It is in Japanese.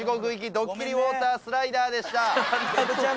ドッキリウォータースライダー」でした別府ちゃん